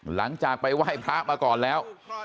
หลังจากไปไหว้พระมาก่อนแล้ว